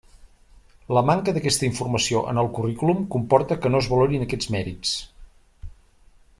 La manca d'aquesta informació en el currículum comporta que no es valorin aquests mèrits.